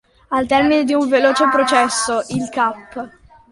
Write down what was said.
Al termine di un veloce processo, il cap.